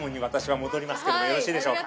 よろしいでしょうか。